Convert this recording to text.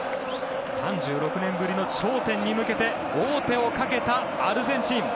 ３６年ぶりの頂点に向けて王手をかけたアルゼンチン。